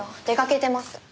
出かけてます。